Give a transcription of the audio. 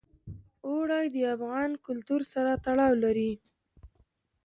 اوړي د افغان کلتور سره تړاو لري.